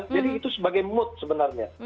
jadi itu sebagai mood sebenarnya